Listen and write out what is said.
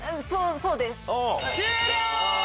そうです。